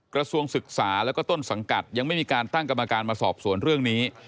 กระทรวงศึกษาแล้วก็ต้นสังกัดยังไม่มีการตั้งกรรมการมาสอบสวนเรื่องนี้